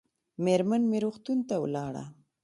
مېرمن مې روغتون ته ولاړه